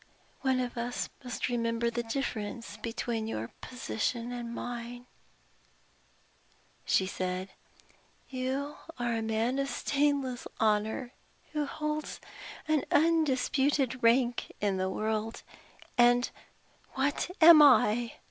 "One of us must remember the difference between your position and mine," she said. "You are a man of stainless honor, who holds an undisputed rank in the world. And what am I?